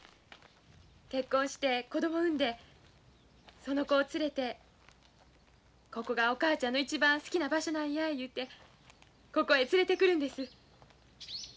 結婚して子供産んでその子を連れてここがお母ちゃんの一番好きな場所なんや言うてここへ連れてくるんです。